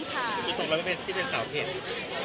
อยู่ตรงรายเม็ดที่เป็นสาวเผ็ด